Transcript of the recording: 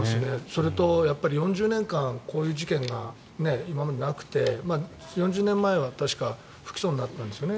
それと４０年間こういう事件が今までなくて４０年前は確か不起訴になったんですよね